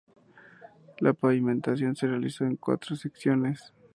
La pavimentación se realizó en cuatro secciones.